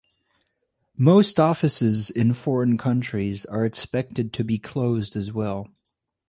Most offices in foreign countries are expected to be closed as well.